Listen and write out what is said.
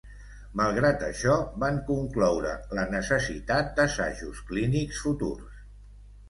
Malgrat això, van concloure la necessitat d'assajos clínics futurs.